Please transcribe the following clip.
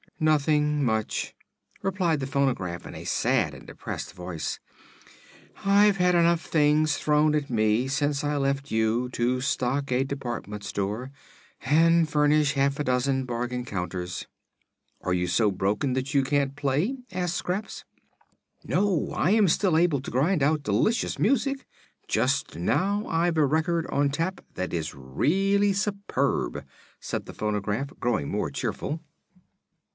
"Nothing much," replied the phonograph in a sad and depressed voice. "I've had enough things thrown at me, since I left you, to stock a department store and furnish half a dozen bargain counters." "Are you so broken up that you can't play?" asked Scraps. "No; I still am able to grind out delicious music. Just now I've a record on tap that is really superb," said the phonograph, growing more cheerful.